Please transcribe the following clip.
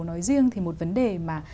nói riêng thì một vấn đề mà